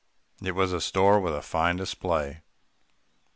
It was a store with a fine display.